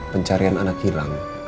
pencarian anak hilang